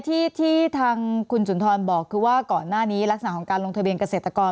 ที่ทางคุณสุนทรบอกคือว่าก่อนหน้านี้ลักษณะของการลงทะเบียนเกษตรกร